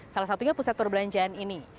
salah satunya pusat perbelanjaan ini